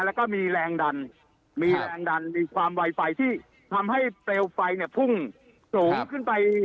แล้วก็มีแรงดันมีแรงดันมีความไวไฟที่ทำให้เปลวไฟเนี่ยพุ่งสูงขึ้นไป